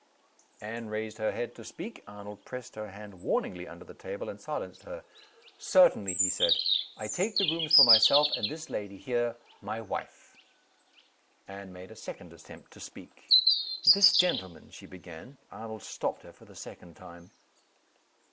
Anne raised her head to speak. Arnold pressed her hand warningly, under the table, and silenced her. "Certainly," he said. "I take the rooms for myself, and this lady here my wife!" Anne made a second attempt to speak. "This gentleman " she began. Arnold stopped her for the second time.